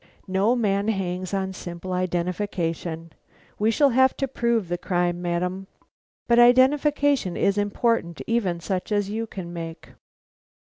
"No man hangs on simple identification. We shall have to prove the crime, madam, but identification is important; even such as you can make."